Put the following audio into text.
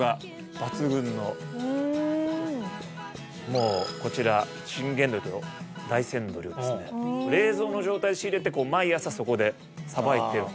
もうこちら信玄どりと大山どりをですね冷蔵の状態で仕入れて毎朝そこでさばいてる。